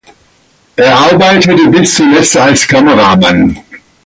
Er arbeitete bis zuletzt als Kameramann.